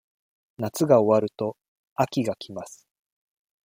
夏が終わると、秋が来ます。